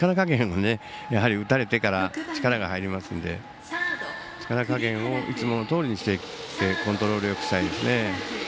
打たれてから力が入りますので力加減をいつものとおりにしてコントロールよくしたいですね。